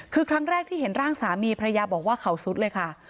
คือครั้งแรกที่เห็นร่างสามีภรรยาบอกว่าเขาสุดเลยค่ะ